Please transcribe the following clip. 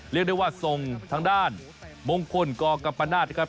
เรียกได้ว่าส่งทางด้านมงคลกกัมปนาศนะครับ